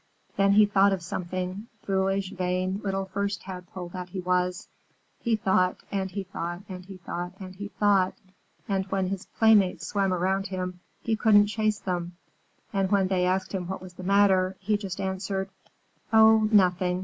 Then he thought of something foolish, vain little First Tadpole that he was. He thought and he thought and he thought and he thought, and when his playmates swam around him he wouldn't chase them, and when they asked him what was the matter, he just answered, "Oh nothing!"